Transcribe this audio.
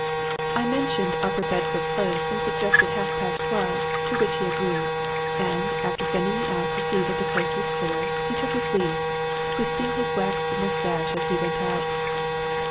"I mentioned Upper Bedford Place and suggested half past twelve, to which he agreed; and, after sending me out to see that the coast was clear, he took his leave, twisting his waxed mustache as he went out.